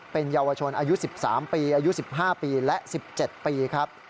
เป็นเยาวชนอายุ๑๓ปีอายุ๑๕ปีและ๑๗ปีครับ